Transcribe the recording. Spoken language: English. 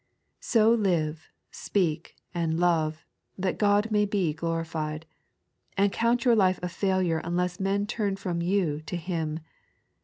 So live, speak, and love, that Qod may be glorified ; and count your life a failure unless men turn from you to Him.